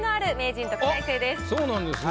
そうなんですね。